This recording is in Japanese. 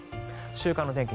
週間天気